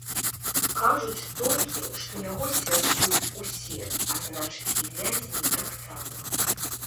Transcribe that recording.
Кажуць толькі, што яго святкуюць усе, а значыць, і вязні таксама.